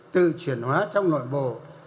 tự chuyển hóa trong nội bộ